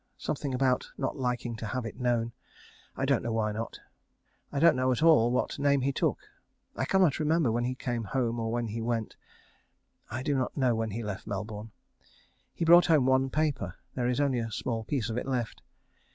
Something about not liking to have it known. I don't know why not. I don't know at all what name he took. I cannot remember when he came home or when he went. I do not know when he left Melbourne. He brought home one paper. There is only a small piece of it left.